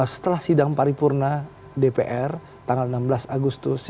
setelah sidang paripurna dpr tanggal enam belas agustus